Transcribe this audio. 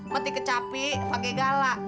matic kecapi pake gala